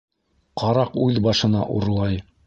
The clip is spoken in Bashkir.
Ҡараҡ үҙ башына урлай.